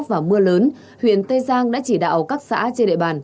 và mưa lớn huyện tây giang đã chỉ đạo các xã trên địa bàn